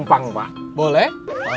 mau ngumpul kan